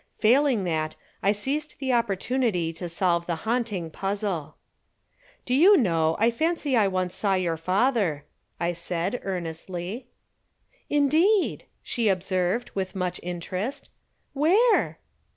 Failing that, I seized the opportunity to solve the haunting puzzle. "Do you know, I fancy I once saw your father," I said, earnestly. "Indeed!" she observed, with much interest. "Where?"